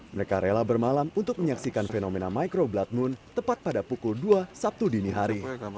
mereka rela bermalam untuk menyaksikan fenomena micro blood moon tepat pada pukul dua sabtu dini hari